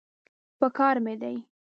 پکار مې دی.